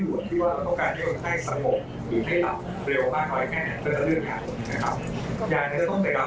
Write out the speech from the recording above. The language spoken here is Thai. ที่ว่าเราต้องการให้มันให้สมบบหรือให้หลับเร็วมากกว่าแค่เต็มตะลื่นแหล่ะ